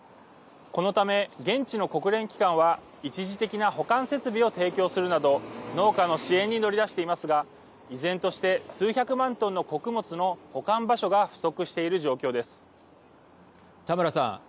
このため、現地の国連機関は一時的な保管設備を提供するなど農家の支援に乗り出していますが依然として数百万トンの穀物の保管場所が田村さん。